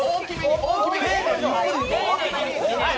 大きめに。